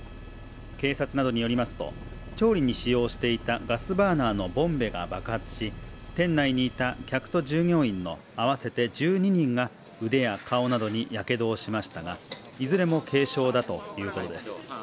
警察などによりますと、調理に使用していたガスバーナーのボンベが爆発し、店内にいた客と従業員の合わせて１２人が腕や顔などにやけどをしましたが、いずれも軽傷だということです。